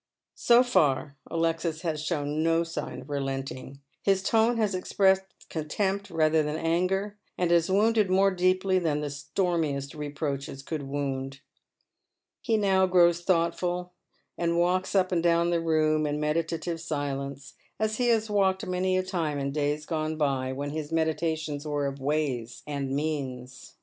So far Alexis has shown no sign of relenting. His tone has expressed contempt rather than anger, and has ivounded more deeply than the stormiest reproaches could wound. He now grows thoughtful, and walks up and down the room in medita tive silence, as he has walked many a time in days gone by when his meditations were of ways and means.